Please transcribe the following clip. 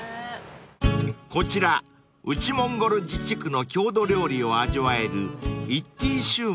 ［こちら内モンゴル自治区の郷土料理を味わえる］